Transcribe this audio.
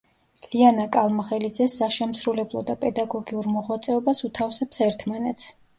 ლიანა კალმახელიძე საშემსრულებლო და პედაგოგიურ მოღვაწეობას უთავსებს ერთმანეთს.